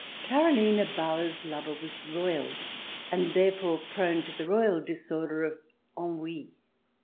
Karoline Bauer's lover was royal, and therefore prone to the royal disorder of ennui.